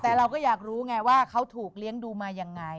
แต่เราก็อยากรู้ไงว่าเขาถูกเลี้ยงดูมายังไง